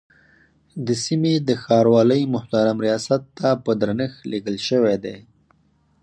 د سیمې د ښاروالۍ محترم ریاست ته په درنښت لیکل شوی دی.